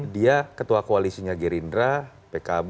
dia ketua koalisinya gerindra pkb